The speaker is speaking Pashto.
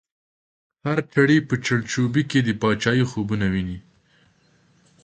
هر چړی په چړ چوبی کی، پاچایی خوبونه وینی